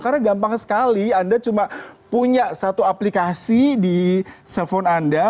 karena gampang sekali anda cuma punya satu aplikasi di cellphone anda